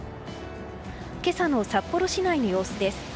今朝の札幌市内の様子です。